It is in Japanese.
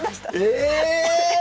え